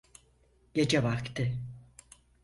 Gece vakti.